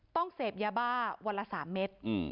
เสพยาบ้าวันละ๓เม็ด